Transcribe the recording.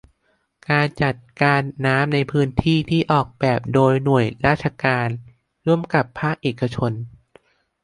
การจัดการน้ำในพื้นที่ ที่ออกแบบโดยหน่วยราชการ ร่วมกับภาคเอกชน